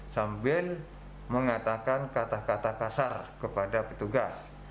sambil mengatakan kata kata kasar kepada petugas